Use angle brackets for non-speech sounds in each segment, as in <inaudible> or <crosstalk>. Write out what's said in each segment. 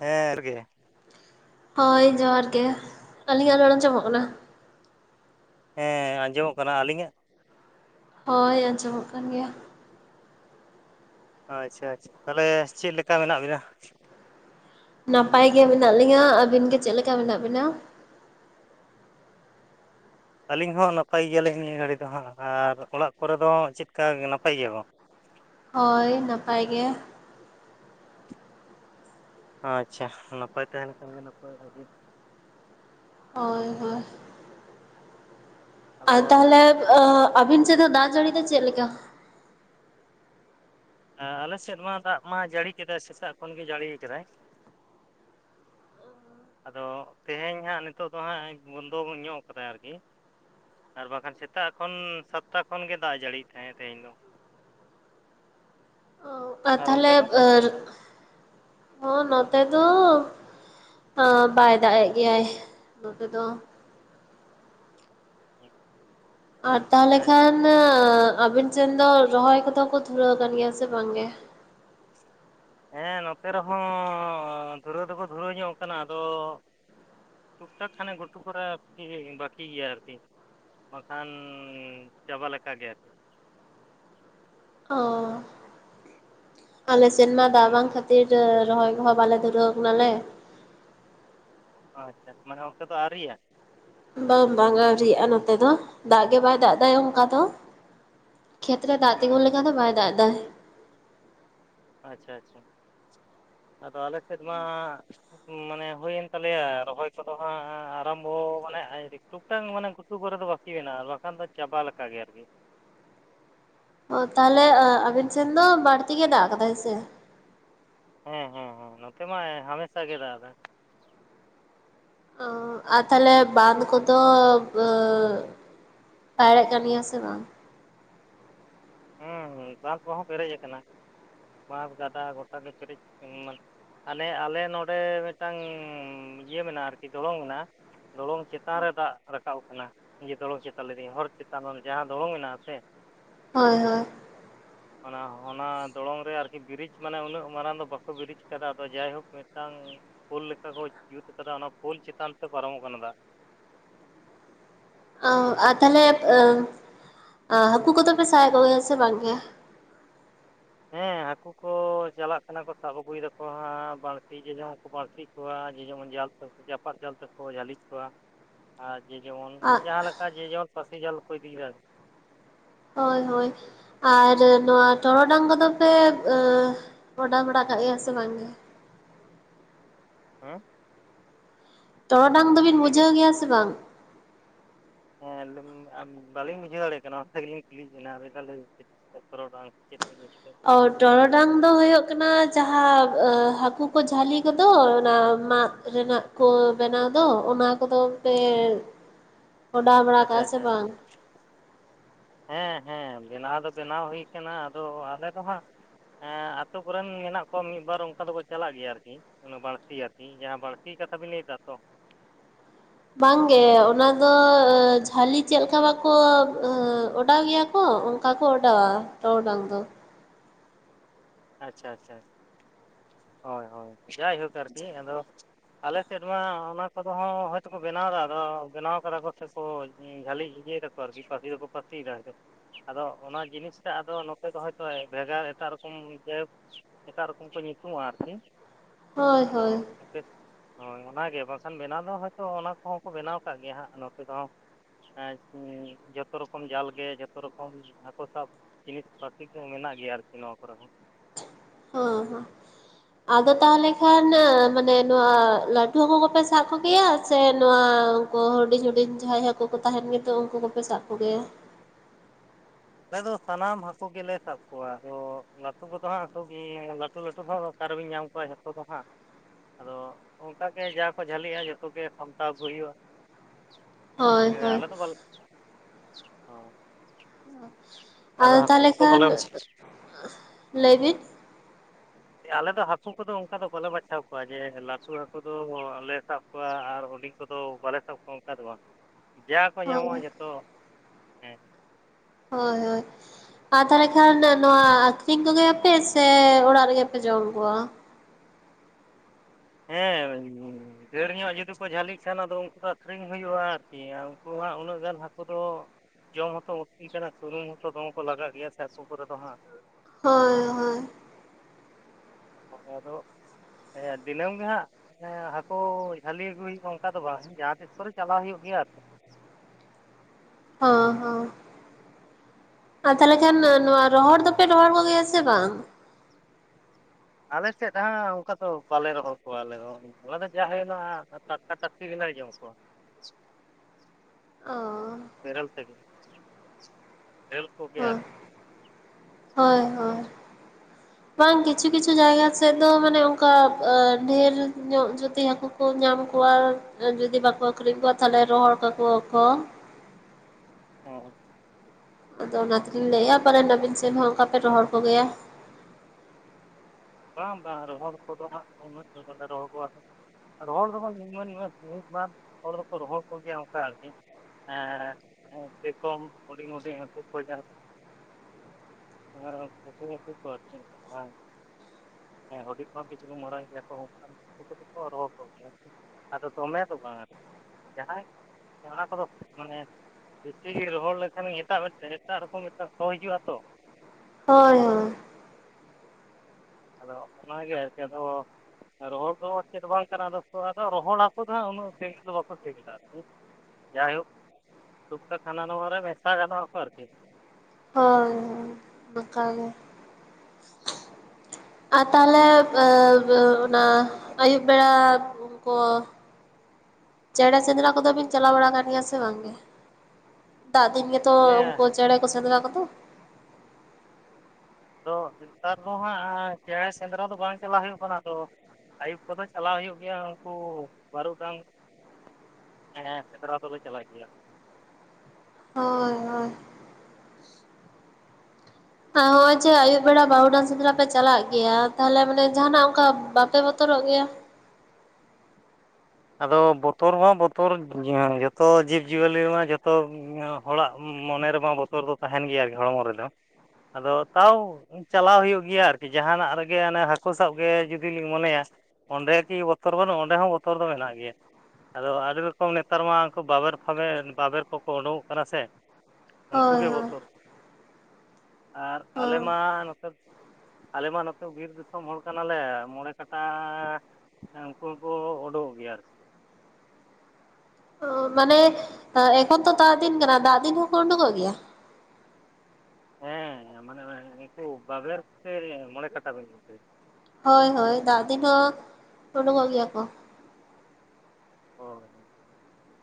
ᱦᱮᱸ ᱟᱨ ᱠᱮ ᱦᱳᱭ ᱡᱚᱦᱟᱨ ᱜᱮ ᱟᱹᱞᱤᱧ ᱟᱜ ᱨᱚᱲ ᱟᱡᱚ ᱢᱚᱜ ᱠᱟᱱᱟ᱾ ᱦᱮᱸ ᱟᱸᱡᱚ ᱢᱚᱜ ᱠᱟᱱᱟ ᱟᱹᱞᱤᱧ ᱟᱜ ᱦᱳᱭ ᱟᱸᱡᱚ ᱢᱚᱜ ᱠᱟᱱ ᱜᱮᱭᱟ᱾ ᱟᱪᱪᱷᱟ ᱟᱪᱪᱷᱟ ᱛᱟᱦᱞᱮ ᱪᱮᱫ ᱞᱮᱠᱟ ᱢᱮᱱᱟᱜ ᱵᱤᱱᱟ᱾ ᱱᱟᱯᱟᱭ ᱜᱮ ᱢᱮᱱᱟᱜ ᱞᱤᱧᱟᱹ ᱟᱹᱵᱤᱱ ᱜᱮ ᱪᱮᱫ ᱞᱮᱠᱟ ᱢᱮᱱᱟᱜ ᱵᱤᱱᱟ᱾ ᱟᱹᱞᱤᱧ ᱦᱚᱸ ᱱᱟᱯᱟᱭ ᱜᱮᱭᱟ ᱞᱤᱧ ᱱᱤᱭᱟᱹ ᱜᱷᱟᱹᱲᱤ ᱫᱚ ᱦᱟᱸᱜ ᱟᱨ ᱚᱲᱟᱜ ᱠᱚᱨᱮ ᱫᱚ ᱪᱮᱫ ᱠᱟ ᱱᱟᱯᱟᱭ ᱜᱮᱭᱟ ᱠᱚ᱾ ᱦᱳᱭ ᱱᱟᱯᱟᱭ ᱜᱮ ᱟᱪᱪᱷᱟ ᱱᱟᱯᱟᱭ ᱛᱟᱦᱮᱸ ᱞᱮᱱ ᱠᱷᱟᱱ ᱜᱮ ᱱᱟᱯᱟᱭ ᱵᱷᱟᱹᱜᱤ ᱦᱳᱭ ᱦᱳᱭ ᱟᱫᱚ ᱟᱨ ᱛᱟᱦᱞᱮ ᱟᱵᱤᱱ ᱥᱮᱫ ᱫᱚ ᱫᱟᱜ ᱡᱟᱹᱲᱤ ᱫᱚ ᱪᱮᱫ ᱞᱮᱠᱟ? ᱮ ᱟᱞᱮ ᱥᱮᱫ ᱢᱟ ᱫᱟᱜ ᱢᱟ ᱡᱟᱹᱲᱤ ᱠᱮᱫᱟᱭ ᱥᱮᱛᱟᱜ ᱠᱷᱚᱱ ᱜᱮ ᱡᱟᱹᱲᱤ ᱟᱠᱟᱫᱟᱭ ᱟᱫᱚ ᱛᱮᱦᱮᱧ ᱦᱟᱸᱜ ᱱᱤᱛᱚᱜ ᱫᱚ ᱦᱟᱸᱜ ᱵᱚᱱ ᱫᱚ ᱧᱚᱜ ᱠᱟᱫᱟᱭ ᱟᱨᱠᱤ ᱟᱨ ᱵᱟᱠᱷᱟᱱ ᱥᱮᱛᱟᱜ ᱠᱷᱚᱱ ᱥᱟᱛᱴᱟ ᱠᱷᱚᱱ ᱜᱮ ᱫᱟᱜ ᱡᱟᱹᱲᱤᱭ ᱛᱟᱦᱮᱸᱫ ᱛᱮᱦᱮᱧ ᱫᱚ <inaudible> ᱟᱨ ᱛᱟᱦᱞᱮ ᱚᱱᱛᱮ ᱫᱚ ᱟᱨ ᱦᱚᱸ ᱱᱚᱛᱮ ᱫᱚ ᱚᱸ ᱵᱟᱭ ᱫᱟᱜ ᱮᱫ ᱜᱮᱭᱟᱭ ᱱᱚᱛᱮ ᱫᱚ ᱟᱨ ᱛᱟᱦᱞᱮ ᱟᱪᱪᱷᱟ ᱠᱷᱟᱱ ᱟᱵᱤᱱ ᱴᱷᱮᱱ ᱫᱚ ᱨᱚᱦᱚᱭ ᱠᱚ ᱫᱚ ᱠᱚ ᱫᱷᱩᱨᱟᱹᱣ ᱟᱠᱟᱱ ᱜᱮᱭᱟ ᱥᱮ ᱵᱟᱝ ᱜᱮ ᱦᱮᱸ ᱱᱚᱛᱮ ᱨᱮᱦᱚᱸ ᱫᱷᱩᱨᱟᱹ ᱫᱚ ᱠᱚ ᱫᱷᱩᱨᱟᱹᱣ ᱧᱚᱜ ᱠᱟᱱᱟ ᱟᱫᱚ ᱴᱩᱠ ᱴᱟᱠ ᱠᱷᱟᱱᱮ ᱜᱷᱩᱴᱩ ᱠᱚᱨᱮ ᱟᱨᱠᱤ ᱵᱟᱠᱤ ᱜᱮᱭᱟ ᱟᱨᱠᱤ ᱵᱟ ᱠᱷᱟᱱ ᱪᱟᱵᱟ ᱞᱮᱠᱟ ᱜᱮᱭᱟ ᱚᱸ ᱟᱞᱮ ᱥᱮᱫ ᱢᱟ ᱚ ᱫᱟᱜ ᱵᱟᱝ ᱠᱷᱟᱹᱛᱤᱨ ᱨᱚᱦᱚᱭ ᱦᱚᱸ ᱵᱟᱞᱮ ᱫᱷᱩᱨᱟᱹᱣ ᱠᱟᱱᱟ ᱞᱮ ᱟᱪᱪᱷᱟ ᱢᱟᱱᱮ ᱚᱱᱛᱮ ᱫᱚ ᱟᱹᱣᱨᱤᱭᱟ ᱵᱟᱝ ᱵᱟᱝ ᱟᱹᱣᱨᱤᱭᱟᱜ-ᱟ ᱱᱚᱛᱮ ᱫᱚ ᱫᱟᱜ ᱜᱮ ᱵᱟᱭ ᱫᱟᱜ ᱮᱫᱟ ᱚᱱᱠᱟ ᱫᱚ ᱠᱷᱮᱛ ᱨᱮ ᱫᱟᱜ ᱛᱤᱸᱜᱩᱱ ᱟᱪᱪᱷᱟ ᱞᱮᱠᱟ ᱫᱚ ᱵᱟᱭ ᱫᱟᱜ ᱮᱫᱟ ᱟᱪᱪᱷᱟ ᱟᱪᱪᱷᱟ ᱟᱫᱚ ᱟᱞᱮ ᱥᱮᱫ ᱢᱟ ᱢᱟᱱᱮ ᱦᱩᱭᱮᱱ ᱛᱟᱞᱮᱭᱟ ᱨᱚᱦᱚᱭ ᱠᱚᱫᱚ ᱦᱟᱸᱜ ᱟᱨᱟᱢᱵᱚ ᱢᱟᱱᱮ ᱟᱭᱨᱤ ᱴᱩᱠ ᱴᱟᱝ ᱢᱟᱱᱮ ᱜᱷᱩᱴᱩ ᱠᱚ ᱨᱮ ᱫᱚ ᱵᱟᱹᱠᱤ ᱢᱮᱱᱟᱜ-ᱟ ᱵᱟᱠᱷᱟᱱ ᱫᱚ ᱪᱟᱵᱟ ᱞᱮᱠᱟ ᱜᱮ ᱟᱨᱠᱤ ᱚᱸ ᱛᱟᱦᱚᱼᱞᱮ ᱟᱵᱤᱱ ᱥᱮᱱ ᱫᱚ ᱵᱟᱹᱲ ᱛᱤ ᱜᱮ ᱫᱟᱜ ᱟᱠᱟᱫᱟᱭ ᱥᱮ ᱦᱮᱸ ᱦᱮᱸ ᱦᱮᱸ ᱱᱚ ᱛᱮ ᱢᱟ ᱦᱟᱢᱮ ᱥᱟ ᱜᱮ ᱫᱟᱜ ᱟᱠᱟᱫ ᱚᱸ ᱟᱨ ᱛᱟᱦᱞᱮ ᱵᱟᱸᱫᱷ ᱠᱚ ᱫᱚ ᱯᱟᱭᱲᱮᱜ ᱠᱟᱱ ᱜᱮᱭᱟ ᱥᱮ ᱵᱟᱝ ᱦᱩᱸ ᱦᱩᱸ ᱵᱟᱸᱫᱷ ᱠᱚᱦᱚᱸ ᱯᱮᱨᱮᱡ ᱟᱠᱟᱱᱟ ᱵᱟᱸᱫᱷ ᱜᱟᱰᱟ ᱜᱚᱴᱟ ᱜᱮ ᱪᱮᱨᱮᱡ ᱡᱮᱯᱮᱡ ᱟᱞᱮ ᱟᱞᱮ ᱱᱚᱸᱰᱮ ᱢᱤᱫ ᱴᱟᱝ ᱤᱭᱟᱹ ᱢᱮᱱᱟᱜ-ᱟ ᱟᱨᱠᱤ ᱫᱚᱬᱚᱝ ᱢᱮᱱᱟᱜ-ᱟ ᱫᱚᱲᱚᱝ ᱪᱮᱛᱟᱱ ᱨᱮ ᱫᱟᱜ ᱨᱟᱠᱟᱵ ᱟᱠᱟᱱᱟ ᱡᱮ ᱫᱚᱲᱚᱝ ᱪᱮᱛᱟᱱ ᱞᱟᱹᱭ ᱫᱟᱹᱧ ᱦᱚᱨ ᱪᱮᱛᱟᱱ ᱡᱟᱦᱟᱸ ᱫᱚᱲᱚᱝ ᱢᱮᱱᱟᱜ-ᱟ ᱥᱮ ᱦᱳᱭ ᱦᱳᱭ ᱚᱱᱟ ᱚᱱᱟ ᱫᱚᱲᱚᱝ ᱨᱮ ᱟᱨᱠᱤ ᱵᱨᱤᱡᱽ ᱢᱟᱱᱮ ᱩᱱᱟᱹᱜ ᱢᱟᱨᱟᱝ ᱫᱚ ᱵᱟᱠᱚ ᱵᱨᱤᱡᱽ ᱟᱠᱟᱫᱟ ᱟᱫᱚ ᱡᱟᱭᱦᱳᱠ ᱢᱤᱫᱴᱟᱝ ᱯᱳᱞ ᱞᱮᱠᱟ ᱠᱚ ᱡᱩᱛ ᱟᱠᱟᱫᱟ ᱚᱱᱟ ᱯᱳᱞ ᱪᱮᱛᱟᱱ ᱛᱮ ᱯᱟᱨᱚᱢᱚᱜ ᱠᱟᱱᱟ ᱫᱟᱜ ᱚᱸ ᱟᱨ ᱛᱟᱦᱚᱼᱞᱮ ᱚᱸ ᱦᱟᱹᱠᱩ ᱠᱚ ᱫᱚ ᱯᱮ ᱥᱟᱵ ᱮ ᱠᱚᱜᱮᱭᱟ ᱥᱮ ᱵᱟᱝ ᱜᱮ ᱦᱮᱸ ᱦᱟᱹᱠᱩ ᱠᱚ ᱪᱟᱞᱟᱜ ᱠᱟᱱᱟ ᱠᱚ ᱥᱟᱵ ᱟᱹᱜᱩ ᱮᱭᱫᱟ ᱠᱚ ᱦᱟᱸᱜ ᱵᱟᱹᱲᱛᱤ ᱡᱮ ᱡᱟᱦᱟᱸ ᱠᱚ ᱵᱟᱹᱲᱛᱤᱜ ᱠᱚᱣᱟ ᱡᱮ ᱡᱮᱢᱚᱱ ᱡᱟᱞ ᱪᱟᱯᱟᱫ ᱡᱟᱞ ᱛᱮᱠᱚ ᱡᱷᱟᱹᱞᱤᱭᱮᱫ ᱠᱚᱣᱟ᱾ ᱟᱨ ᱡᱮ ᱡᱮᱢᱚᱱ ᱡᱟᱦᱟᱸ ᱞᱮᱠᱟ ᱡᱮ ᱡᱮᱢᱚᱱ ᱯᱟᱥᱤ ᱡᱟᱞ ᱠᱚ ᱤᱫᱤᱭᱟ᱾ ᱦᱳᱭ ᱦᱳᱭ ᱟᱨ ᱱᱚᱣᱟ ᱴᱚᱨᱚᱰᱟᱝ ᱠᱚᱫᱚ ᱯᱮ ᱮ ᱚᱰᱟᱣ ᱵᱟᱲᱟ ᱠᱟᱜ ᱜᱮᱭᱟ ᱥᱮ ᱵᱟᱝ ᱜᱮ? ᱦᱮᱸ ᱴᱚᱨᱚᱰᱟᱝ ᱫᱚᱵᱤᱱ ᱞᱟᱹᱭᱵᱤᱱ ᱵᱩᱡᱷᱟᱹᱣ ᱜᱮᱭᱟ ᱥᱮ ᱵᱟᱝ ᱦᱮᱸ ᱵᱟᱞᱤᱧ ᱵᱩᱡᱷᱟᱹᱣ ᱫᱟᱲᱮᱭᱟᱜ ᱠᱟᱱᱟ ᱚᱱᱟ ᱛᱮᱜᱮ ᱞᱤᱧ ᱠᱩᱞᱤᱭᱮᱫ ᱵᱮᱱᱟ ᱟᱨ ᱢᱤᱫᱫᱷᱟᱣ ᱞᱟ. ᱭ ᱵᱮᱱ ᱴᱟᱨᱚᱰᱟᱝ ᱪᱮᱫ ᱵᱮᱱ ᱞᱟᱹᱭ ᱪᱚ ᱠᱮᱫ ᱴᱚᱨᱚᱰᱟᱝ ᱫᱚ ᱦᱩᱭᱩᱜ ᱠᱟᱱᱟ ᱡᱟᱦᱟᱸ ᱦᱟᱹᱠᱩ ᱠᱚ ᱡᱷᱟᱹᱞᱤ ᱠᱚᱫᱚ ᱚᱱᱟ ᱢᱟᱛ ᱨᱮᱱᱟᱜ ᱠᱚ ᱵᱮᱱᱟᱣ ᱫᱚ ᱚᱱᱟ ᱠᱚᱫᱚ ᱯᱮ ᱚᱰᱟᱣ ᱵᱟᱲᱟ ᱟᱪᱪᱷᱟ, ᱠᱟᱜᱼᱟ ᱥᱮ ᱟᱪᱪᱷᱟ ᱵᱟᱝ? ᱦᱮᱸ ᱦᱮᱸ ᱵᱮᱱᱟᱣ ᱫᱚ ᱵᱮᱱᱟᱣ ᱦᱩᱭ ᱟᱠᱟᱱᱟ ᱟᱫᱚ ᱟᱞᱮ ᱫᱚ ᱦᱟᱸᱜ ᱦᱮᱸ ᱟᱛᱳ ᱠᱚᱨᱮᱱ ᱢᱮᱱᱟᱜ ᱠᱚᱣᱟ ᱢᱤᱫ ᱵᱟᱨ ᱚᱱᱠᱟ ᱫᱚᱠᱚ ᱪᱟᱞᱟᱜ ᱜᱮᱭᱟ ᱟᱨᱠᱤ ᱵᱟᱲᱥᱤ ᱟᱨᱠᱤ ᱡᱟᱦᱟᱸ ᱵᱟᱲᱥᱤ ᱠᱟᱛᱷᱟ ᱵᱮᱱ ᱞᱟᱹᱭ ᱮᱫᱟ ᱛᱚ ᱵᱟᱝ ᱜᱮ ᱚᱱᱟ ᱫᱚ ᱡᱷᱟᱹᱞᱤ ᱪᱮᱫ ᱞᱮᱠᱟ ᱵᱟᱠᱚ ᱚᱰᱟᱣ ᱜᱮᱭᱟ ᱠᱚ ᱵᱟᱠᱚ ᱚᱰᱟᱣᱟ ᱴᱚᱨᱚᱰᱟᱝ ᱫᱚ ᱟᱪᱪᱷᱟ, ᱟᱪᱪᱷᱟ ᱦᱳᱭ ᱦᱳᱭ ᱡᱟᱭᱦᱳᱠ ᱟᱨᱠᱤ ᱟᱫᱚ ᱟᱞᱮ ᱥᱮᱫ ᱢᱟ ᱚᱱᱟ ᱠᱚᱫᱚ ᱦᱚᱸ ᱦᱚᱭᱛᱳ ᱠᱚ ᱵᱮᱱᱟᱣᱫᱟ ᱟᱫᱚ ᱵᱮᱱᱟᱣ ᱠᱟᱫᱟ ᱠᱚ ᱥᱮ ᱠᱚ ᱦᱮᱸ ᱡᱷᱟᱹᱞᱤ ᱤᱭᱟ. ᱮᱫᱟ ᱠᱚ ᱟᱨᱠᱤ ᱯᱟᱥᱤ ᱫᱚᱠᱚ ᱯᱟᱥᱤ ᱮᱫᱟ <unintelligible> ᱟᱫᱚ ᱚᱱᱟ ᱡᱤᱱᱤᱥ ᱴᱟᱜ ᱟᱫᱚ ᱱᱚᱛᱮ ᱫᱚ ᱦᱚᱭᱛᱳ ᱵᱷᱮᱜᱟᱨ ᱮᱴᱟᱜ ᱨᱚᱠᱚᱢ ᱡᱟᱭ ᱦᱳᱠ ᱮᱴᱟᱜ ᱨᱚᱠᱚᱢ ᱠᱚ ᱧᱩᱛᱩᱢᱼᱟ ᱟᱨᱠᱤ ᱦᱳᱭ ᱟᱫᱚ ᱦᱳᱭ ᱦᱳᱭ ᱚᱱᱟ ᱜᱮ ᱵᱟᱝᱠᱷᱟᱱ ᱵᱮᱱᱟᱣ ᱫᱚ ᱦᱳᱭᱛᱳ ᱚᱱᱟ ᱠᱚᱦᱚᱸ ᱠᱚ ᱵᱮᱱᱟᱣ ᱠᱟᱜ ᱜᱮᱭᱟ ᱦᱟᱸᱜ ᱱᱚᱛᱮ ᱫᱚ ᱦᱮᱸ ᱡᱷᱚᱛᱚ ᱨᱚᱠᱚᱢ ᱡᱟᱞ ᱜᱮ ᱡᱷᱚᱛᱚ ᱨᱚᱠᱚᱢ ᱦᱟᱹᱠᱩ ᱥᱟᱵ ᱡᱤᱱᱤᱥ ᱯᱚᱛᱤ ᱠᱚ ᱢᱮᱱᱟᱜ ᱜᱮᱭᱟ ᱟᱨᱠᱤ ᱱᱚᱣᱟ ᱠᱚᱨᱮ ᱦᱚᱸ ᱦᱚᱸ ᱦᱮᱸ <inaudible> ᱟᱫᱚ ᱛᱟᱦᱚᱞᱮ ᱠᱷᱟᱱ ᱢᱟᱱᱮ ᱱᱚᱣᱟ ᱞᱟᱹᱴᱩ ᱦᱟᱹᱠᱩ ᱠᱚᱯᱮ ᱥᱟᱵ ᱠᱚᱜᱮᱭᱟ ᱥᱮ ᱱᱚᱣᱟ ᱠᱚ ᱦᱩᱰᱤᱧ ᱦᱩᱰᱤᱧ ᱡᱟᱦᱟᱸᱭ ᱦᱟᱹᱠᱩ ᱠᱚ ᱛᱟᱦᱮᱱ ᱜᱮᱛᱚ ᱩᱱᱠᱩ ᱠᱚᱯᱮ ᱥᱟᱵ ᱠᱚᱜᱮᱭᱟ? ᱟᱞᱮ ᱫᱚ ᱥᱟᱱᱟᱢ ᱦᱟᱠᱩ ᱜᱮᱞᱮ ᱥᱟᱵ ᱠᱚᱣᱟ, ᱟᱫᱚ ᱞᱟᱹᱴᱩ ᱠᱚᱫᱚ ᱦᱟᱹᱜ ᱞᱟᱹᱴᱩ ᱞᱟᱹᱴᱩ ᱦᱚᱸ ᱚᱠᱟ ᱨᱮᱵᱮᱱ ᱧᱟᱢ ᱠᱚᱣᱟ ᱡᱷᱚᱛᱚ ᱫᱚ ᱦᱟᱸᱜ ᱟᱫᱚ ᱚᱱᱠᱟ ᱜᱮ ᱡᱟ ᱠᱚ ᱡᱷᱟᱹᱞᱤᱜᱼᱟ ᱡᱚᱛᱚ ᱜᱮ ᱥᱟᱢᱴᱟᱣ ᱟᱹᱜᱩ ᱦᱩᱭᱩᱜᱼᱟ᱾ ᱦᱳᱭ ᱦᱮᱸ ᱦᱳᱭ ᱟᱞᱮ ᱫᱚ ᱵᱟᱞᱮ ᱟᱫᱚ ᱛᱟᱦᱚᱞᱮ ᱦᱟᱹᱠᱩ ᱠᱚᱫᱚ ᱠᱷᱟᱱ ᱵᱟᱞᱮ ᱞᱟᱹᱭ ᱵᱤᱱ ᱟᱞᱮ ᱫᱚ ᱦᱟᱹᱠᱩ ᱠᱚᱫᱚ ᱚᱱᱠᱟ ᱫᱚ ᱵᱟᱞᱮ ᱵᱟᱪᱷᱟᱣ ᱠᱚᱣᱟ ᱡᱮ ᱞᱟᱹᱴᱩ ᱦᱟᱹᱠᱩ ᱫᱚ ᱵᱟᱞᱮ ᱥᱟᱵ ᱠᱚᱣᱟ ᱟᱨ ᱦᱩᱰᱤᱧ ᱠᱚᱫᱚ ᱵᱟᱞᱮ ᱥᱟᱵ ᱠᱚᱣᱟ ᱚᱱᱠᱟ ᱫᱚ ᱵᱟᱝ ᱡᱟ ᱠᱚ ᱧᱟᱢᱚᱜᱼᱟ ᱦᱳᱭ ᱡᱷᱚᱛᱚ, ᱦᱮᱸ ᱦᱳᱭ ᱦᱳᱭ ᱟᱨ ᱛᱟᱦᱚᱞᱮ ᱠᱷᱟᱱ ᱱᱚᱣᱟ ᱟᱠᱷᱨᱤᱧ ᱠᱚ ᱜᱮᱭᱟ ᱯᱮ ᱥᱮ ᱚᱲᱟᱜ ᱨᱮᱜᱮ ᱯᱮ ᱡᱚᱢ ᱠᱚᱣᱟ? ᱦᱮᱸ ᱰᱷᱟᱹᱨ ᱧᱚᱜ ᱡᱩᱫᱤ ᱠᱚ ᱡᱷᱟᱹᱞᱤᱜ ᱠᱷᱟᱱ ᱟᱫᱚ ᱩᱱᱠᱩ ᱫᱚ ᱟᱠᱷᱨᱤᱧ ᱦᱩᱭᱩᱜᱼᱟ ᱟᱨᱠᱤ ᱩᱱᱠᱩ ᱦᱟᱸ ᱩᱱᱟᱹᱜ ᱜᱟᱱ ᱦᱟᱹᱠᱩ ᱫᱚ ᱡᱚᱢ ᱦᱚᱸᱛᱚ ᱢᱩᱥᱠᱤᱞ ᱠᱟᱱᱟ ᱥᱩᱱᱩᱢ ᱦᱚᱸᱛᱚ ᱫᱚᱢᱮ ᱠᱚ ᱞᱟᱜᱟᱜ ᱜᱮᱭᱟ ᱥᱮ ᱦᱟᱥᱩ ᱠᱚᱨᱮ ᱫᱚ ᱦᱟᱸᱜ ᱦᱳᱭ ᱦᱳᱭ ᱦᱳᱭ, ᱟᱫᱚ ᱦᱮᱸ ᱫᱤᱱᱟᱹᱢ ᱜᱮ ᱦᱟᱸᱜ ᱢᱟᱱᱮ ᱦᱟᱹᱠᱩ ᱡᱷᱟᱹᱞᱤ ᱟᱹᱜᱩ ᱦᱩᱭᱩᱜ ᱚᱱᱠᱟ ᱫᱚ ᱵᱟᱝ ᱡᱟᱦᱟᱸ ᱛᱤᱥ ᱠᱚᱨᱮ ᱪᱟᱞᱟᱣ ᱦᱩᱭᱩᱜ ᱜᱮᱭ ᱟᱨᱠᱤ᱾ ᱦᱚᱸ ᱦᱚᱸ ᱟᱨ ᱛᱟᱦᱚᱞᱮ ᱚ ᱠᱷᱟᱱ ᱱᱚᱣᱟ ᱨᱚᱦᱚᱲ ᱫᱚᱯᱮ ᱨᱚᱦᱚᱲ ᱠᱚ ᱜᱮᱭᱟ ᱥᱮ ᱵᱟᱝ? ᱟᱞᱮ ᱥᱮᱫ ᱦᱟᱸᱜ ᱚᱱᱠᱟ ᱫᱚ ᱵᱟᱞᱮ ᱨᱚᱦᱚᱲ ᱠᱚᱣᱟ ᱟᱞᱮ ᱫᱚ ᱚᱱᱟ ᱫᱚ ᱡᱟ ᱦᱩᱭᱱᱟ ᱴᱟᱴᱠᱟ ᱴᱟᱴᱠᱤ ᱜᱮᱞᱮ ᱡᱚᱢ ᱠᱚᱣᱟ ᱚ ᱵᱮᱨᱮᱞ ᱛᱮᱜᱮ <unintelligible> ᱦᱚᱸ ᱦᱳᱭ ᱦᱳᱭ <inaudible> ᱵᱟᱝ ᱠᱤᱪᱷᱩ ᱠᱤᱪᱷᱩ ᱡᱟᱭᱜᱟ ᱥᱮᱫ ᱫᱚ ᱢᱟᱱᱮ ᱚᱱᱠᱟ ᱰᱷᱮᱨ ᱧᱚᱜ ᱡᱩᱫᱤ ᱦᱟᱠᱩ ᱠᱚ ᱠᱚ ᱧᱟᱢ ᱠᱚᱣᱟ ᱡᱩᱫᱤ ᱵᱟᱠᱚ ᱟᱹᱠᱷᱨᱤᱧ ᱠᱚᱣᱟ ᱛᱟᱦᱚᱞᱮ ᱨᱚᱦᱚᱲ ᱠᱟᱠᱚᱣᱟ ᱠᱚ ᱚ ᱟᱫᱚ ᱚᱱᱟ ᱛᱮᱞᱤᱧ ᱞᱟᱹᱭᱮᱜᱼᱟ᱾ ᱯᱟᱞᱮᱱ ᱟᱹᱵᱤᱱ ᱥᱮᱫ ᱦᱚᱸ ᱚᱱᱠᱟ ᱯᱮ ᱨᱚᱦᱚᱲ ᱠᱚ ᱜᱮᱭᱟ᱾ ᱵᱟᱝ ᱵᱟᱝ ᱨᱚᱦᱚᱲ ᱠᱚ ᱫᱚ ᱦᱟᱸᱜ ᱩᱱᱟᱹᱜ ᱫᱚ ᱵᱟᱞᱮ ᱨᱚᱦᱚᱲ ᱠᱟᱣᱟ ᱥᱮ ᱨᱚᱦᱚᱲ ᱫᱚ ᱠᱚ ᱢᱤᱫ ᱵᱟᱨ ᱦᱚᱲ ᱫᱚᱠᱚ ᱨᱚᱦᱚᱲ ᱠᱚ ᱜᱮᱭᱟ ᱚᱱᱠᱟ ᱟᱨᱠᱤ ᱦᱮᱸ ᱥᱮ ᱨᱚᱠᱚᱢ ᱦᱩᱰᱤᱧ ᱦᱩᱰᱤᱧ ᱦᱟᱠᱩ ᱠᱚ ᱧᱟᱢ ᱟᱨ ᱩᱱᱠᱩ ᱯᱩᱴᱷᱤ ᱦᱟᱠᱩ ᱠᱚ ᱟᱨᱠᱤ ᱦᱮᱸ ᱦᱩᱰᱤ ᱠᱷᱚᱱᱚᱸ ᱠᱤᱪᱷᱩ ᱠᱚ ᱢᱟᱨᱟᱝ ᱜᱮᱭᱟ ᱚᱱ ᱠᱟᱱ ᱠᱚ ᱫᱚ ᱠᱚ ᱨᱚᱦᱚᱲ ᱠᱚ ᱜᱮᱭᱟ ᱟᱫᱚ ᱫᱚᱢᱮ ᱫᱚ ᱵᱟᱝ ᱟᱨ ᱠᱤ ᱡᱟᱦᱟᱸᱭ ᱡᱟᱦᱟᱸ ᱠᱚ ᱫᱚ ᱢᱟᱱᱮ ᱵᱮᱥᱤ ᱜᱮ ᱨᱚᱦᱚᱲ ᱞᱮᱠᱷᱟ ᱤᱧ ᱮᱴᱟᱜ ᱢᱮᱫ ᱴᱮᱱ ᱮᱴᱟᱜ ᱨᱚᱠᱚᱢ ᱢᱤᱫᱴᱟᱝ ᱥᱚ ᱦᱤᱡᱩᱜ-ᱟ ᱛᱚ ᱦᱳᱭ ᱦᱳᱭ ᱟᱫᱚ ᱚᱱᱟ ᱜᱮ ᱟᱨᱠᱤ ᱟᱫᱚ ᱨᱚᱦᱚᱲ ᱫᱚ ᱪᱮᱫ ᱵᱟᱝ ᱠᱟᱱᱟ ᱟᱫᱚ ᱨᱚᱦᱚᱲ ᱫᱚ ᱦᱟᱸᱜ ᱩᱱᱟᱹᱜ ᱥᱮᱸᱵᱮᱞ ᱫᱚ ᱵᱟᱠᱚ ᱥᱮᱸᱵᱮᱞ ᱟ ᱟᱨ ᱠᱤ ᱡᱟᱭ ᱦᱳᱠ ᱴᱩᱠ ᱴᱟᱠ ᱦᱟᱱᱟ ᱱᱟᱣᱟ ᱨᱮ ᱢᱮᱥᱟ ᱜᱟᱱᱚᱜ ᱟᱠᱚ ᱟᱨᱠᱤ ᱦᱳᱭ ᱱᱚᱝᱠᱟ ᱜᱮ ᱟᱨ ᱛᱟᱦᱞᱮ ᱚᱱᱟ ᱟᱹᱭᱩᱵ ᱵᱮᱲᱟ ᱠᱚ ᱪᱮᱬᱮ ᱥᱮᱸᱫᱽᱨᱟ ᱠᱚ ᱫᱚ ᱵᱤᱱ ᱪᱟᱞᱟᱣ ᱵᱟᱲᱟ ᱠᱟᱱ ᱜᱮᱭᱟ᱾ ᱥᱮ ᱵᱟᱝ ᱜᱮ ᱫᱟᱜ ᱫᱤᱱ ᱜᱮ? ᱛᱚ ᱦᱮᱸ ᱩᱱᱠᱩ ᱪᱮᱸᱬᱮ ᱠᱚ ᱥᱮᱸᱫᱽᱨᱟ ᱠᱚᱛᱮ ᱟᱫᱚ ᱱᱮᱛᱟᱨ ᱫᱚ ᱦᱟᱸᱜ ᱪᱮᱸᱬᱮ ᱥᱮᱸᱫᱽᱨᱟ ᱫᱚ ᱵᱟᱝ ᱪᱟᱞᱟᱣ ᱦᱳᱭᱳᱜ ᱠᱟᱱᱟ ᱛᱚ ᱟᱹᱭᱩᱵ ᱠᱚ ᱫᱚ ᱪᱟᱞᱟᱣ ᱦᱩᱭᱩᱜ ᱜᱮᱭᱟ ᱩᱱᱠᱩ ᱵᱟᱹᱨᱩᱜ ᱰᱟᱝ ᱦᱮᱸ ᱥᱮᱸᱫᱽᱨᱟ ᱫᱚᱞᱮ ᱪᱟᱞᱟᱜ ᱜᱮᱭᱟ᱾ ᱦᱚᱭ ᱦᱚᱭ ᱛᱚ ᱦᱚᱜ-ᱚᱭ ᱡᱮ ᱟᱹᱭᱩᱵ ᱵᱮᱲᱟ ᱵᱟᱹᱨᱩᱜ ᱰᱟᱝ ᱥᱮᱸᱫᱽᱨᱟ ᱯᱮ ᱪᱟᱞᱟᱜ ᱜᱮᱭᱟ ᱛᱟᱦᱞᱮ ᱢᱟᱱᱮ ᱡᱟᱦᱟ ᱱᱟᱜ ᱚᱱᱠᱟ ᱵᱟᱯᱮ ᱵᱚᱛᱚ ᱨᱚᱜ ᱜᱮᱭᱟ᱾ ᱟᱫᱚ ᱵᱚᱛᱚᱨ ᱢᱟ ᱵᱚᱛᱚᱨ ᱡᱚᱛᱚ ᱡᱤᱵᱽ ᱡᱤᱭᱟᱹᱞᱤ ᱢᱟ ᱡᱚᱛᱚ ᱦᱚᱲᱟᱜ ᱢᱚᱱᱮ ᱨᱮᱢᱟ ᱵᱚᱛᱚᱨ ᱫᱚ ᱛᱟᱦᱮᱱ ᱜᱮᱭᱟ ᱟᱨᱠᱤ ᱦᱚᱲ ᱢᱚ ᱨᱮ ᱫᱚ ᱟᱫᱚ ᱛᱟᱣ ᱪᱟᱞᱟᱣ ᱦᱳᱭᱳᱜ ᱜᱮᱭᱟ ᱟᱨᱠᱤ ᱡᱟᱦᱟ ᱱᱟᱜ ᱨᱮ ᱜᱮ ᱚᱱᱮ ᱦᱟᱹᱠᱩ ᱥᱟᱵ ᱜᱮ ᱡᱩᱫᱤ ᱞᱤᱧ ᱢᱚᱱᱮ ᱭᱟ ᱚᱸᱰᱮ ᱠᱤ ᱵᱚᱛᱚᱨ ᱵᱟᱹᱱᱩᱜ-ᱟ ᱚᱸᱰᱮ ᱦᱚᱸ ᱵᱚᱛᱚᱨ ᱫᱚ ᱢᱮᱱᱟᱜ ᱜᱮᱭᱟ ᱟᱫᱚ ᱟᱹᱰᱤ ᱨᱚ ᱠᱚᱢ ᱱᱮᱛᱟᱨ ᱢᱟ ᱩᱱᱠᱩ ᱵᱟᱵᱮᱨ ᱯᱷᱟᱵᱮᱨ ᱵᱟᱵᱮᱨ ᱠᱚ ᱠᱚ ᱩᱰᱩᱝ ᱚᱜ ᱠᱟᱱᱟ ᱥᱮ ᱩᱱᱠᱩ ᱦᱳᱭ ᱜᱮ ᱦᱳᱭ ᱵᱚᱛᱚᱨ ᱫᱚ ᱟᱨ ᱟᱞᱮ ᱢᱟ ᱦᱳᱭ ᱱᱚᱛᱮ ᱟᱞᱮ ᱢᱟ ᱱᱚᱛᱮ ᱵᱤᱨ ᱫᱤᱥᱚᱢ ᱦᱚᱲ ᱠᱟᱱᱟ ᱞᱮ ᱢᱚᱬᱮ ᱠᱟᱴᱟ ᱩᱱᱠᱩ ᱦᱚᱸ ᱠᱚ ᱩᱰᱩᱠᱚᱜ ᱜᱮᱭᱟ ᱟᱨᱠᱤ ᱢᱟᱱᱮ ᱮᱠᱷᱚᱱ ᱛᱚ ᱫᱟᱜ ᱫᱤᱱ ᱠᱟᱱᱟ ᱫᱟᱜ ᱫᱤᱱ ᱦᱚᱸᱠᱚ ᱩᱰᱩᱠᱚᱜ ᱜᱮᱭᱟ᱾ ᱦᱮᱸ ᱢᱟᱱᱮ ᱩᱱᱠᱩ ᱵᱟᱵᱮᱨ ᱥᱮ ᱢᱚᱬᱮ ᱠᱟᱴᱟ ᱵᱤᱱ ᱦᱳᱭ ᱦᱳᱭ ᱫᱟᱜ ᱫᱤᱱ ᱦᱚᱸ ᱩᱰᱩᱝ ᱚᱜ ᱜᱮᱭᱟ ᱠᱚ ᱦᱳᱭ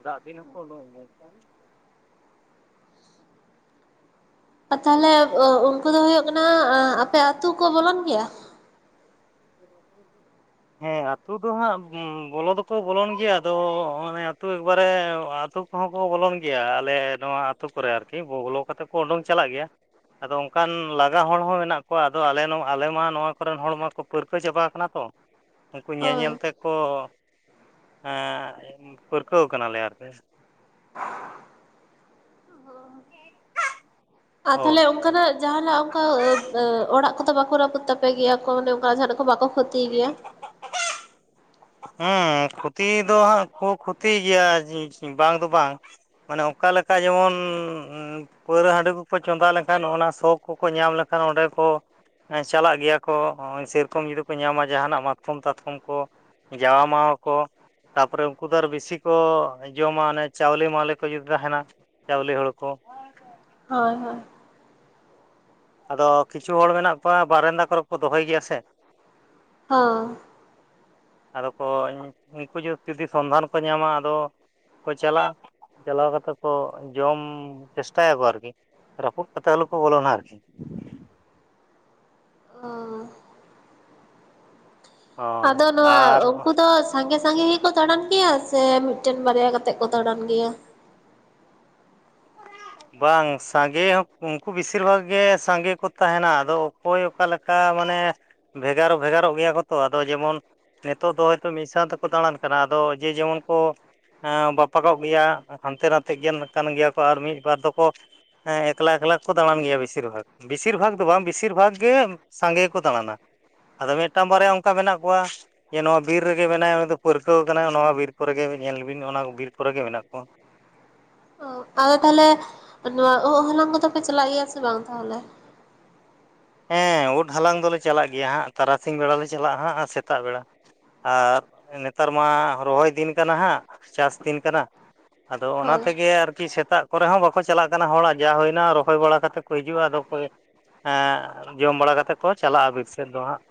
ᱫᱟᱜ ᱫᱤᱱ ᱦᱚᱸᱠᱚ ᱩᱰᱩᱝ ᱚᱜ ᱜᱮᱭᱟ ᱠᱚ ᱟᱫᱚ ᱛᱟᱦᱚᱞᱮ ᱩᱱᱠᱩ ᱫᱚ ᱦᱩᱭᱩᱜ ᱠᱟᱱᱟ ᱟᱯᱮ ᱟᱹᱛᱩ ᱠᱚ ᱵᱚᱞᱚᱱ ᱜᱮᱭᱟ <inaudible> ᱦᱮᱸ ᱟᱛᱳ ᱫᱚ ᱦᱟᱸᱜ ᱵᱚᱞᱚ ᱫᱚ ᱠᱚ ᱵᱚᱞᱚᱱ ᱜᱮᱭᱟ ᱟᱫᱚ ᱚᱱᱮ ᱟᱛᱳ ᱮᱠᱵᱟ ᱨᱮ ᱟᱛᱳ ᱠᱚ ᱦᱚᱸ ᱠᱚ ᱵᱚᱞᱚᱱ ᱜᱮᱭᱟ ᱟᱞᱮ ᱱᱚᱣᱟ ᱟᱹᱛᱩ ᱠᱚᱨᱮ ᱟᱨᱠᱤ ᱵᱚᱞᱚ ᱠᱟᱛᱮᱫ ᱠᱚ ᱩᱰᱩᱝ ᱪᱟᱞᱟᱜ ᱜᱮᱭᱟ ᱟᱫᱚ ᱚᱱᱠᱟᱱ ᱞᱟᱜᱟ ᱦᱚᱲ ᱦᱚᱸ ᱢᱮᱱᱟᱜ ᱠᱚᱣᱟ ᱟᱫᱚ ᱟᱞᱮ ᱟᱞᱮ ᱢᱟ ᱱᱚᱣᱟ ᱠᱚᱨᱮᱱ ᱦᱚᱲ ᱢᱟᱠᱚ ᱯᱟᱹᱨᱠᱟᱹᱣ ᱪᱟᱵᱟ ᱟᱠᱟᱱᱟ ᱛᱚ ᱩᱱᱠᱩ ᱧᱮᱞ ᱦᱳᱭ ᱧᱮᱞ ᱛᱮ ᱠᱚ ᱯᱟᱹᱨᱠᱟᱹᱣ ᱟᱠᱟᱱᱟ ᱞᱮ ᱟᱨᱠᱤ ᱟᱨ ᱛᱟᱦᱚᱞᱮ ᱦᱳᱭ ᱚᱱᱠᱟᱱᱟᱜ ᱡᱟᱦᱟᱸᱱᱟᱜ ᱚᱱᱠᱟ ᱚᱲᱟᱜ ᱠᱚᱫᱚ ᱵᱟᱝ ᱠᱚ ᱨᱟᱹᱯᱩᱫ ᱛᱟᱯᱮ ᱜᱮᱭᱟ ᱠᱚ ᱢᱟᱱᱮ ᱚᱱᱠᱟ ᱡᱟᱦᱟᱸᱱᱟᱜ ᱠᱚ ᱵᱟᱠᱚ ᱠᱷᱚᱛᱤ ᱜᱮᱭᱟ ᱦᱮᱸ ᱠᱷᱚᱛᱤ ᱫᱚ ᱦᱟᱸᱜ ᱠᱚ ᱠᱷᱚᱛᱤ ᱜᱮᱭᱟ ᱵᱟᱝ ᱫᱚ ᱵᱟᱝ ᱢᱟᱱᱮ ᱚᱱᱠᱟ ᱞᱮᱠᱟ ᱡᱮᱢᱚᱱ ᱯᱟᱹᱣᱨᱟᱹ ᱦᱟᱹᱰᱤ ᱠᱚ ᱠᱚ ᱪᱚᱸᱫᱟ ᱞᱮ ᱠᱷᱟᱱ ᱚᱱᱟ ᱥᱚ ᱠᱚ ᱠᱚ ᱧᱟᱢ ᱞᱮᱠᱷᱟᱱ ᱚᱸᱰᱮ ᱠᱚ ᱪᱟᱞᱟᱜ ᱜᱮᱭᱟ ᱠᱚ ᱥᱮ ᱨᱚᱠᱚᱢ ᱡᱩᱫᱤ ᱠᱚ ᱧᱟᱢᱟ ᱡᱟᱸᱦᱟ ᱱᱟᱜ ᱢᱟᱛ ᱠᱚᱢ ᱛᱟᱛ ᱠᱚᱢ ᱠᱚ ᱡᱟᱣᱟ ᱢᱟᱣᱟ ᱠᱚᱼᱼ ᱛᱟᱯᱚᱨᱮ ᱩᱱᱠᱩ ᱫᱚ ᱟᱨ ᱵᱤᱥᱤ ᱠᱚ ᱡᱚᱢᱟ ᱚᱱᱮ ᱪᱟᱣᱞᱮ-ᱢᱟᱣᱞᱮ ᱠᱚ ᱡᱩᱫᱤ ᱛᱟᱦᱮᱸᱱᱟ᱾ ᱪᱟᱣᱞᱮ ᱦᱳᱲᱩ ᱠᱚᱼᱼ ᱦᱳᱭ-ᱦᱳᱭᱼᱼ ᱟᱫᱚ ᱠᱤᱪᱷᱩ ᱦᱚᱲ ᱢᱮᱱᱟᱜ ᱠᱚᱣᱟ ᱵᱟᱨᱮᱱᱫᱟ ᱠᱚᱨᱮ ᱠᱚ ᱫᱚᱦᱚᱭ ᱜᱮᱭᱟ ᱥᱮᱼᱼ ᱦᱚᱸ ᱟᱫᱚ ᱠᱚ ᱩᱱᱠᱩ ᱡᱩᱫᱤ ᱥᱚᱱᱫᱷᱟᱱ ᱠᱚ ᱧᱟᱢᱟ ᱟᱫᱚᱼᱼ ᱠᱚ ᱪᱟᱞᱟᱜ-ᱟ ᱪᱟᱞᱟᱣ ᱠᱟᱛᱮ ᱠᱚ ᱡᱚᱢ ᱪᱮᱥᱴᱟᱭᱟᱠᱚ ᱟᱨᱠᱤᱼᱼ ᱨᱟᱹᱯᱩᱫ ᱠᱟᱛᱮ ᱟᱞᱳᱠᱚ ᱵᱚᱞᱚᱱᱟ ᱟᱨᱠᱤ᱾ ᱚᱻ ᱦᱳᱭ ᱟᱫᱚ ᱱᱚᱣᱟ ᱟᱨ ᱩᱱᱠᱩ ᱫᱚᱼᱼ ᱥᱟᱸᱜᱮ ᱥᱟᱸᱜᱮ ᱜᱮᱠᱚ ᱫᱟᱬᱟᱱ ᱜᱮᱭᱟ ᱥᱮ ᱢᱤᱫᱴᱮᱱ ᱵᱟᱨᱭᱟ ᱠᱟᱛᱮᱫ ᱠᱚ ᱫᱟᱲᱟᱱ ᱜᱮᱭᱟ? <inaudible> ᱵᱟᱝ ᱥᱟᱸᱜᱮ ᱦᱚᱸ ᱩᱱᱠᱩ ᱵᱤᱥᱤᱨ ᱵᱷᱟᱜᱽ ᱜᱮ ᱥᱟᱸᱜᱮ ᱠᱚ ᱛᱟᱦᱮᱸᱱᱟ ᱟᱫᱚ ᱚᱠᱚᱭ ᱚᱠᱟ ᱞᱮᱠᱟ ᱢᱟᱱᱮᱼᱼ ᱵᱷᱮᱜᱟᱨ ᱵᱷᱮᱜᱟᱨᱚᱜ ᱜᱮᱭᱟ ᱠᱚᱛᱚ, ᱟᱫᱚ ᱡᱮᱢᱚᱱᱼᱼ ᱱᱤᱛᱚᱜ ᱫᱚ ᱦᱚᱭᱛᱚ ᱢᱤᱫ ᱥᱟᱸᱣ ᱛᱮᱠᱚ ᱫᱟᱬᱟᱱ ᱠᱟᱱᱟ ᱟᱫᱚ ᱡᱮ ᱡᱮᱢᱚᱱ ᱠᱚᱼᱼ ᱮᱸ ᱵᱟᱯᱟᱜᱚᱜ ᱜᱮᱭᱟ ᱦᱟᱱᱛᱮ ᱱᱟᱛᱮ ᱜᱮ ᱠᱟᱱ ᱜᱮᱭᱟ ᱠᱚ ᱟᱨ ᱢᱤᱫ ᱵᱟᱨ ᱫᱚᱠᱚᱼᱼ ᱦᱮᱸ ᱮᱠᱞᱟ ᱮᱠᱞᱟ ᱠᱚ ᱫᱟᱬᱟᱱ ᱜᱮᱭᱟ ᱵᱤᱥᱤᱨ ᱵᱷᱟᱠ, ᱵᱮᱥᱤᱨ ᱵᱷᱟᱜ ᱫᱚ ᱵᱟᱝ ᱵᱮᱥᱤᱨ ᱵᱷᱟᱜ ᱜᱮᱼᱼ ᱥᱟᱸᱜᱮ ᱜᱮᱠᱚ ᱫᱟᱬᱟᱱᱟ ᱟᱫᱚ ᱢᱤᱫᱴᱟᱝ ᱵᱟᱨᱭᱟ ᱚᱱᱠᱟ ᱢᱮᱱᱟᱜ ᱠᱚᱣᱟᱼᱼ ᱡᱮ ᱱᱚᱣᱟ ᱵᱤᱨ ᱨᱮᱜᱮ ᱢᱮᱱᱟᱭᱟ ᱩᱱᱤ ᱫᱚ ᱯᱟᱹᱨᱠᱟᱹᱣ ᱟᱠᱟᱱᱟᱭ ᱱᱚᱣᱟ ᱵᱤᱨ ᱠᱚᱨᱮ ᱜᱮ ᱧᱮᱞ ᱵᱤᱱ ᱚᱱᱟ ᱵᱤᱨ ᱠᱚᱨᱮ ᱜᱮ ᱢᱮᱱᱟᱜ ᱠᱚᱣᱟᱼᱼ ᱚ ᱟᱫᱚ ᱛᱟᱦᱚᱞᱮᱼᱼ ᱱᱚᱣᱟ ᱳᱜ ᱦᱟᱞᱟᱝ ᱠᱚᱫᱚ ᱯᱮ ᱪᱟᱞᱟᱜ ᱜᱮᱭᱟ ᱥᱮ ᱵᱟᱝ ᱛᱟᱦᱚᱞᱮ? ᱦᱮᱸ ᱳᱫ ᱦᱟᱞᱟᱝ ᱫᱚᱞᱮ ᱪᱟᱞᱟᱜ ᱜᱮᱭᱟ ᱦᱟᱸᱜ ᱛᱟᱨᱟᱥᱤᱧ ᱵᱮᱲᱟ ᱞᱮ ᱪᱟᱞᱟᱜ-ᱟ ᱦᱟᱸᱜ ᱟᱨ ᱥᱮᱛᱟᱜ ᱵᱮᱲᱟ᱾ ᱟᱨ ᱱᱮᱛᱟᱨ ᱢᱟ ᱨᱚᱦᱚᱭ ᱫᱤᱱ ᱠᱟᱱᱟ ᱦᱟᱸᱜ ᱪᱟᱥ ᱫᱤᱱ ᱠᱟᱱᱟ, ᱟᱫᱚ ᱚᱱᱟ ᱦᱳᱭ ᱛᱮᱜᱮ ᱟᱨᱠᱤ ᱥᱮᱛᱟᱜ ᱠᱚᱨᱮ ᱦᱚᱸ ᱵᱟᱠᱚ ᱪᱟᱞᱟᱜ ᱠᱟᱱᱟ ᱦᱚᱲ ᱡᱟ ᱦᱩᱭᱱᱟ ᱨᱚᱦᱚᱭ ᱵᱟᱲᱟ ᱠᱟᱛᱮᱼᱼ ᱠᱚ ᱦᱤᱡᱩᱜ-ᱟ ᱟᱫᱚ ᱠᱚ ᱮᱸ ᱡᱚᱢ ᱵᱟᱲᱟ ᱠᱟᱛᱮ ᱠᱚ ᱪᱟᱞᱟᱜ-ᱟ ᱵᱤᱨ ᱥᱮᱫ ᱫᱚ ᱦᱟᱸᱜ᱾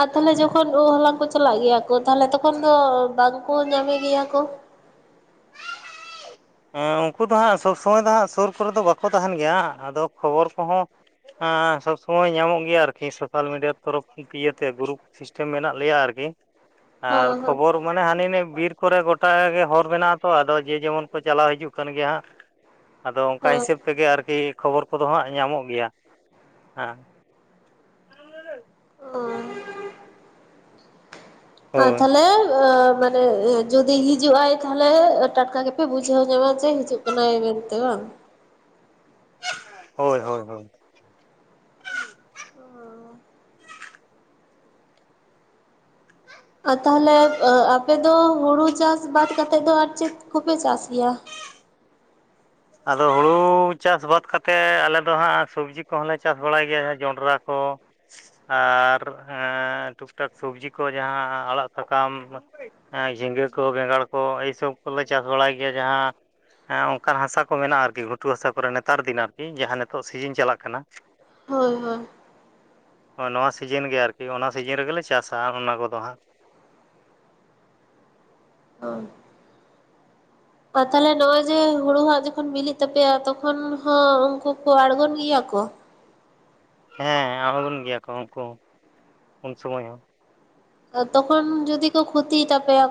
ᱟᱨ ᱛᱟᱦᱚᱞᱮ ᱡᱚᱠᱷᱚᱱ ᱳᱫ ᱦᱟᱞᱟᱝ ᱠᱚ ᱪᱟᱞᱟᱜ ᱜᱮᱭᱟ ᱠᱚ ᱛᱟᱦᱞᱮ ᱛᱚᱠᱷᱚᱱ ᱫᱚ ᱵᱟᱝᱠᱚ ᱧᱟᱢᱮ ᱜᱮᱭᱟ ᱠᱚ᱾ <inaudible> ᱮᱸ ᱩᱱᱠᱩ ᱫᱚ ᱦᱟᱸᱜ ᱥᱚᱵᱽ ᱥᱚᱢᱚᱭ ᱫᱚ ᱦᱟᱸᱜ ᱥᱩᱨ ᱠᱚᱨᱮ ᱫᱚ ᱵᱟᱠᱚ ᱛᱟᱦᱮᱸᱱ ᱜᱮᱭᱟ ᱟᱫᱚ ᱠᱷᱚᱵᱚᱨ ᱠᱚᱦᱚᱸᱼᱼ ᱮᱸ ᱥᱚᱵᱽ ᱥᱚᱢᱚᱭ ᱧᱟᱢᱚᱜ ᱜᱮᱭᱟ ᱟᱨᱠᱤ ᱥᱳᱥᱟᱞ ᱢᱤᱰᱤᱭᱟ ᱛᱚᱨᱚᱯᱷ ᱤᱭᱟᱹᱛᱮ ᱜᱨᱩᱯᱼᱼ ᱥᱤᱥᱴᱮᱢ ᱢᱮᱱᱟᱜ ᱞᱮᱭᱟ ᱟᱨᱠᱤᱼᱼ ᱟᱨ ᱦᱚᱸ ᱦᱚᱸ ᱠᱷᱚᱵᱚᱨ ᱢᱟᱱᱮ ᱦᱟᱱᱤ ᱱᱷᱟᱭ ᱵᱤᱨ ᱠᱚᱨᱮ ᱜᱚᱴᱟ ᱜᱮ ᱦᱚᱨ ᱢᱮᱱᱟᱜ-ᱟ ᱛᱚ ᱟᱫᱚᱼᱼ ᱡᱮ ᱡᱮᱢᱚᱱ ᱠᱚ ᱪᱟᱞᱟᱣ ᱦᱤᱡᱩᱜ ᱠᱟᱱ ᱜᱮᱭᱟ ᱦᱟᱸᱜᱼᱼ ᱟᱫᱚ ᱚᱱᱠᱟ ᱦᱚᱸ ᱦᱤᱥᱟᱹᱵ ᱛᱮᱜᱮ ᱟᱨᱠᱤ ᱠᱷᱚᱵᱚᱨ ᱠᱚᱫᱚ ᱦᱟᱸᱜ ᱧᱟᱢᱚᱜ ᱜᱮᱭᱟ᱾ ᱦᱮᱸ <inaudible> ᱟᱨ ᱟ ᱦᱳᱭ ᱛᱟᱦᱚᱞᱮᱼᱼ ᱦᱚᱞᱮ ᱡᱩᱫᱤ ᱦᱤᱡᱩᱜ-ᱟᱭ ᱛᱟᱦᱚᱞᱮ ᱴᱟᱴᱠᱟ ᱜᱮᱯᱮ ᱵᱩᱡᱷᱟᱹᱣ ᱧᱟᱢᱟ ᱡᱮ ᱦᱤᱡᱩᱜ ᱠᱟᱱᱟᱭ ᱢᱮᱱᱛᱮ ᱵᱟᱝ? ᱦᱳᱭ-ᱦᱳᱭ-ᱦᱳᱭ ᱟᱨ ᱛᱟᱦᱚᱞᱮ ᱟᱯᱮᱫᱚ ᱦᱩᱲᱩ ᱪᱟᱥ ᱵᱟᱫ ᱠᱟᱛᱮᱫ ᱫᱚ ᱟᱨ ᱪᱮᱫ ᱠᱚᱯᱮ ᱪᱟᱥ ᱜᱮᱭᱟ? ᱟᱫᱚ ᱦᱩᱲᱩ ᱪᱟᱥ ᱵᱟᱫ ᱠᱟᱛᱮᱜ ᱟᱞᱮ ᱫᱚ ᱦᱟᱸᱜ ᱥᱚᱵᱽᱡᱤ ᱠᱚᱦᱚᱸᱞᱮ ᱪᱟᱥ ᱵᱟᱲᱟᱭ ᱜᱮᱭᱟ ᱡᱚᱸᱰᱨᱟ ᱠᱚ᱾ ᱟᱨ ᱮᱸ ᱴᱩᱠ ᱴᱟᱠ ᱥᱚᱵᱽᱡᱤ ᱠᱚ ᱡᱟᱦᱟᱸ ᱟᱲᱟᱜ ᱥᱟᱠᱟᱢᱼᱼ ᱮᱸ ᱡᱷᱤᱸᱜᱟᱹ ᱠᱚ ᱵᱮᱸᱜᱟᱲ ᱠᱚ ᱮᱭ ᱥᱚᱵ ᱠᱚᱞᱮ ᱪᱟᱥ ᱵᱟᱲᱟᱭ ᱜᱮᱭᱟ ᱡᱟᱦᱟᱸ ᱮᱸ ᱚᱱᱠᱟᱱ ᱦᱟᱥᱟᱼᱼ ᱠᱚ ᱢᱮᱱᱟᱜ-ᱟ ᱟᱨᱠᱤ ᱜᱷᱩᱴᱩ ᱦᱟᱥᱟ ᱠᱚᱨᱮ ᱱᱮᱛᱟᱨ ᱫᱤᱱ ᱟᱨᱠᱤ ᱡᱟᱦᱟᱸ ᱱᱤᱛᱚᱜ ᱥᱤᱡᱤᱱ ᱪᱟᱞᱟᱜ-ᱠᱟᱱᱟᱼᱼ ᱦᱳᱭ ᱦᱳᱭ ᱱᱚᱣᱟ ᱥᱤᱡᱤᱱ ᱜᱮ ᱟᱨᱠᱤ ᱚᱱᱟ ᱥᱤᱡᱤᱱ ᱨᱮᱜᱮᱞᱮ ᱪᱟᱥᱟ ᱚᱱᱟ ᱠᱚᱫᱚ ᱦᱟᱸᱜ᱾ ᱦᱚᱸ <inaudible> ᱟᱨ ᱛᱟᱦᱚᱞᱮ ᱱᱚᱜᱚᱭ ᱡᱮ ᱦᱩᱲᱩ ᱦᱟᱸᱜ ᱡᱚᱠᱷᱚᱱ ᱵᱤᱞᱤᱜ ᱛᱟᱯᱮᱭᱟ ᱛᱚᱠᱷᱚᱱ ᱦᱚᱸ ᱩᱱᱠᱩ ᱠᱚ ᱟᱲᱜᱳᱱ ᱜᱮᱭᱟ ᱠᱚ? ᱦᱮᱸ ᱟᱬᱜᱚᱱ ᱜᱮᱭᱟ ᱠᱚ ᱩᱱᱠᱩ ᱦᱚᱸ ᱩᱱ ᱥᱚᱢᱚᱭ ᱦᱚᱸ᱾ ᱛᱚᱠᱷᱚᱱ ᱡᱩᱫᱤ ᱠᱚ ᱠᱷᱚᱛᱤ ᱛᱟᱯᱮᱭᱟ?